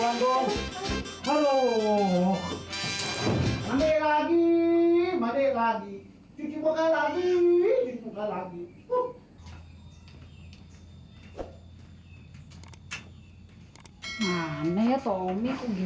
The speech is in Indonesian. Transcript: enak perempuan dong